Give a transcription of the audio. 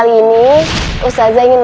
ternyata dia bapak